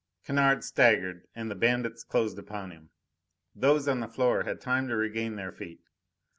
Kennard staggered, and the bandits closed upon him. Those on the floor had time to regain their feet.